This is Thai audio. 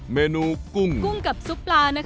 เมนูกุ้งกุ้งกับซุปปลา